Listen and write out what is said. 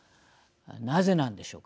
なぜなんでしょうか。